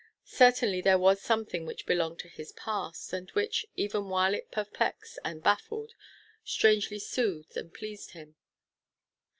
Certainly there was something which belonged to his past, and which, even while it perplexed and baffled, strangely soothed and pleased him.